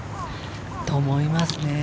そう思いますね。